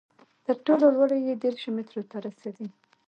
تر ټولو لوړې یې دېرشو مترو ته رسېدې.